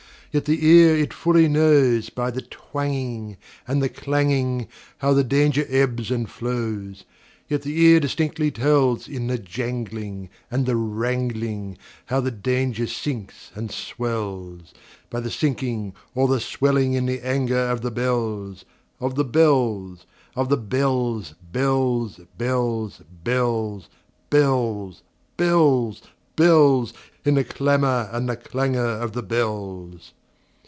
Yet the ear it fully knows, By the twangingAnd the clanging, How the danger ebbs and flows; Yet the ear distinctly tells, In the janglingAnd the wrangling, How the danger sinks and swells,—By the sinking or the swelling in the anger of the bells, Of the bells, Of the bells, bells, bells, bells, Bells, bells, bells—In the clamor and the clangor of the bells!